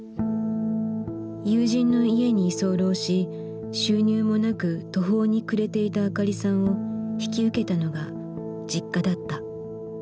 友人の家に居候し収入もなく途方に暮れていたあかりさんを引き受けたのがＪｉｋｋａだった。